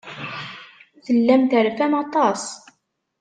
Tellam terfam aṭas.